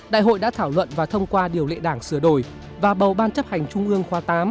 đại hội đã thảo luận và thông qua điều lệ đảng sửa đổi và bầu ban chấp hành trung ương khoa tám